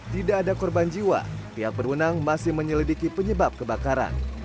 tidak ada korban jiwa pihak berwenang masih menyelidiki penyebab kebakaran